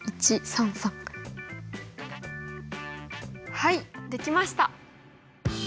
はいできました。